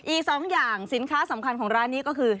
อีก๒อย่างสินค้าสำคัญของร้านนี้ก็คือ